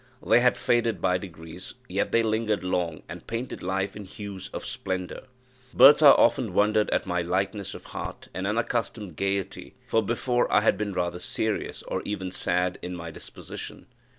They had faded by degrees, yet they lingered long and painted life in hues of splendour. Bertha often wondered at my lightness of heart and unaccustomed gaiety; for, before, I had been rather serious, or even sad, in my disposition.